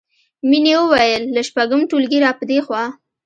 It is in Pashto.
مینې وویل له شپږم ټولګي راپدېخوا